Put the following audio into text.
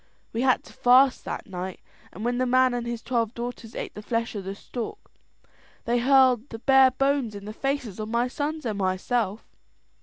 We had to fast that night; and when the man and his twelve daughters ate the flesh of the stork, they hurled the bare bones in the faces of my sons and myself.